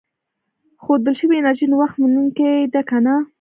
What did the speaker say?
ښودل شوې انرژي نوښت منونکې ده که نه.